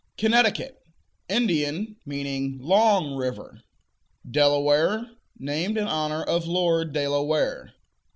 Connecticut Indian; meaning "long river." Delaware Named in honor of Lord De La Ware.